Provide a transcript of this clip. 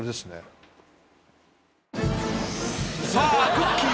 さあくっきー！